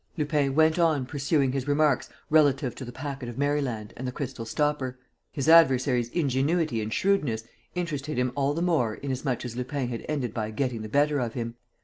Lupin went on pursuing his remarks relative to the packet of Maryland and the crystal stopper. His adversary's ingenuity and shrewdness interested him all the more inasmuch as Lupin had ended by getting the better of him.